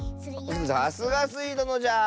さすがスイどのじゃ。